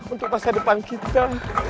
untuk masa depan kita